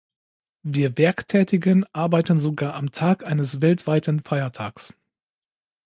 Wir Werktätigen arbeiten sogar am Tag eines weltweiten Feiertags!